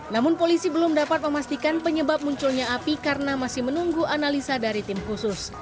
namun polisi belum dapat memastikan penyebab munculnya api karena masih menunggu analisa dari tim khusus